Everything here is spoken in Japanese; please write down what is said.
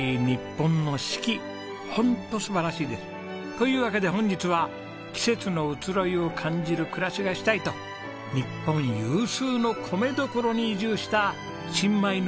というわけで本日は季節の移ろいを感じる暮らしがしたいと日本有数の米どころに移住した新米農家のお話です。